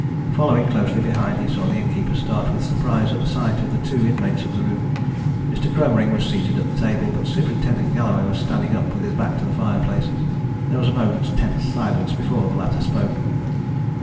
Following closely behind, he saw the innkeeper start with surprise at the sight of the two inmates of the room. Mr. Cromering was seated at the table, but Superintendent Galloway was standing up with his back to the fireplace. There was a moment's tense silence before the latter spoke.